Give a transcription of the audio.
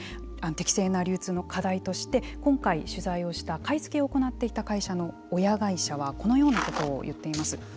適正な流通の課題として今回、取材をした買い付けを行っていた会社の親会社はこのようなことを言っています。